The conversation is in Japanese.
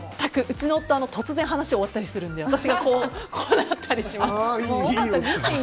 うちの夫突然、話が終わったりするので私が、こけたりします。